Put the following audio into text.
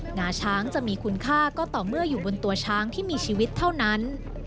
งาช้างจะมีคุณค่าก็ต่อเมื่ออยู่บนตัวช้างที่มีชีวิตเท่านั้น